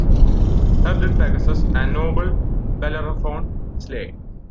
Her did Pegasus and noble Bellerophon slay.